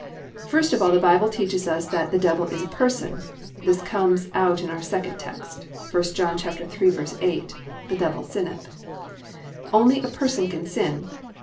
1. First of all, the Bible teaches us that the Devil is a person. This comes out in our second text, 1 John 3:8: +"The devil sinneth."+ Only a person can sin.